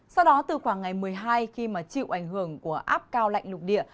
sau đó từ khoảng ngày một mươi hai khi mà chịu ảnh hưởng của áp cao lạnh lục địa